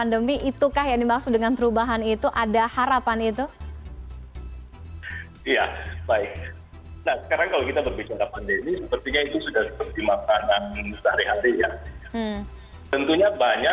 harus dipahami bahwa numerologi itu adalah analisis angka